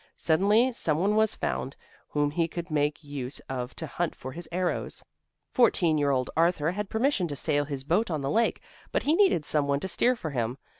Suddenly someone was found whom he could make use of to hunt for his arrows. Fourteen year old Arthur had permission to sail in his boat on the lake, but he needed some one to steer for him.